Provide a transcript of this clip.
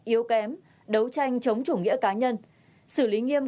yếu kém đấu tranh chống chủ nghĩa cá nhân xử lý nghiêm